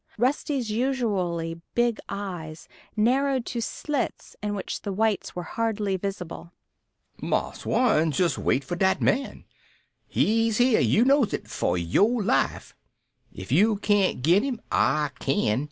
Rusty's usually big eyes narrowed to slits in which the whites were hardly visible. "Marse Warren, jest wait for dat man. He's here, you knows it, for your life. Ef you cain't git him, I can.